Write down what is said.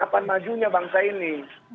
kapan majunya bangsa ini